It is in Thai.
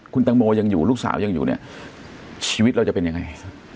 คุณตังโมยังอยู่ลูกสาวยังอยู่เนี่ยชีวิตเราจะเป็นยังไง